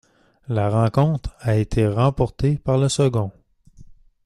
La rencontre a été remportée par le second.